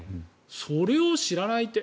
それを知らないって。